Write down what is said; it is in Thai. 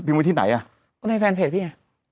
เออพิมพ์ไว้ที่ไหนอะในแฟนเพจพี่